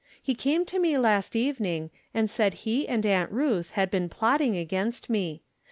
He came to me last evening, and said he and Aunt Ruth had been plotting against me.